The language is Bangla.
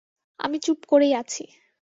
আমি চুপ করেই আছি!